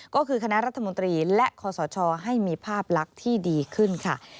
ก็คือคณะรัฐมนตรีและคอสชให้มีภาพลักษณ์ที่ดีขึ้นค่ะ